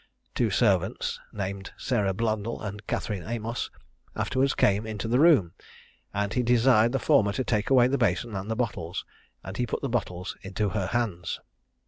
Two servants, named Sarah Blundell and Catherine Amos, afterwards came into the room, and he desired the former to take away the basin and the bottles, and he put the bottles into her hands.